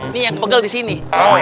ini yang pegel disini